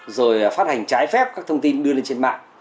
rồi phát hành trái phép các thông tin đưa lên trên mạng